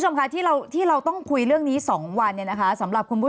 คุณผู้ชมค่ะที่เราที่เราต้องคุยเรื่องนี้๒วันเนี่ยนะคะสำหรับคุณผู้ชม